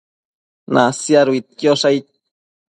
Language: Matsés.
Nasiaduidquiosh aid